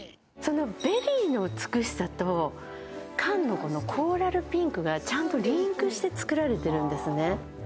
ベリーの美しさと缶のコーラルピンクがちゃんとリンクして作られてるんですね。